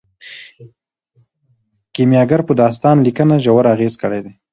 کیمیاګر په داستان لیکنه ژور اغیز کړی دی.